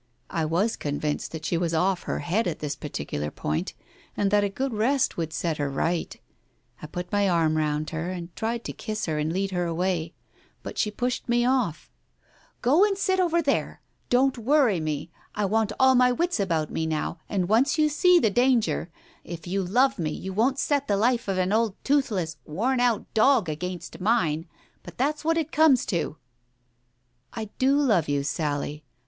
I was convinced that she was off her head on this particular point, and that a good rest would set her right. I put my arm round her, and tried to kiss her and lead her away. But she pushed me off. "Go and sit over there. Don't worry me. I want all my wits about me now, and once you see the danger — if you love me you won't set the life of an old toothless, worn out dog against mine, for that's what it comes to. " I do love you, Sally. .